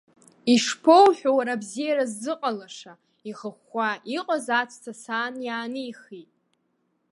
Ишԥоуҳәо, уара абзиара ззыҟалаша, ихыхәхәа иҟаз аҵәца асаан иаанихт.